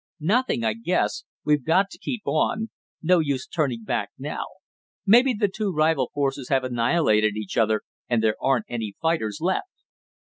"Nothing, I guess. We've got to keep on. No use turning back now. Maybe the two rival forces have annihilated each other, and there aren't any fighters left."